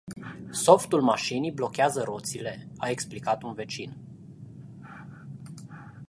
Softul mașinii blochează roțile a explicat un vecin.